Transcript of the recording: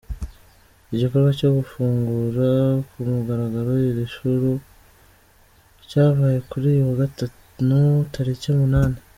Igikorwa cyo gufungura ku mugaragaro iri shuri cyabaye kuri uyu wa Gatanu tariki umunane.